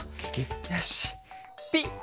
よしピッ。